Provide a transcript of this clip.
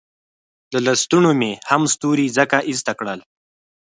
له لستوڼو مې هم ستوري ځکه ایسته کړل.